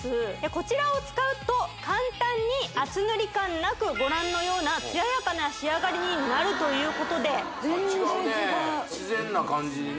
こちらを使うと簡単に厚塗り感なくご覧のような艶やかな仕上がりになるということで全然違う違うね